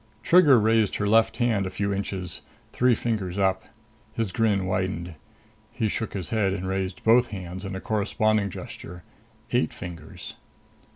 Trigger raised her left hand a few inches, three fingers up. His grin widened. He shook his head and raised both hands in a corresponding gesture. Eight fingers.